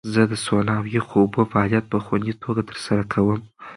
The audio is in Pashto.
زه د سونا او یخو اوبو فعالیت په خوندي توګه ترسره کوم.